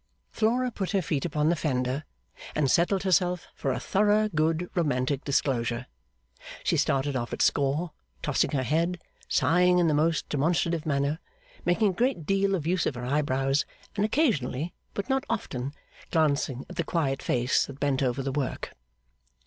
Flora put her feet upon the fender, and settled herself for a thorough good romantic disclosure. She started off at score, tossing her head, sighing in the most demonstrative manner, making a great deal of use of her eyebrows, and occasionally, but not often, glancing at the quiet face that bent over the work.